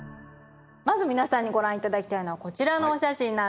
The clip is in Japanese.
まず皆さんにご覧頂きたいのはこちらのお写真なんですね。